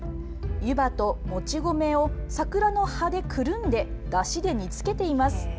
湯葉ともち米を桜の葉でくるんでだしで煮つけています。